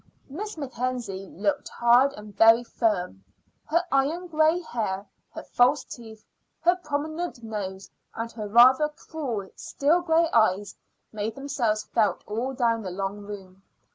Miss Mackenzie looked hard and very firm. Her iron gray hair, her false teeth, her prominent nose, and her rather cruel steel gray eyes made themselves felt all down the long room.